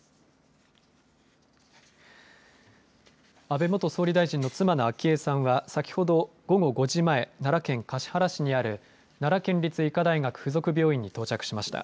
安倍元総理大臣の妻の昭恵さんは、先ほど午後５時前、奈良県橿原市にある奈良県立医科大学附属病院に到着しました。